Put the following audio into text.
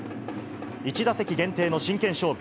１打席限定の真剣勝負。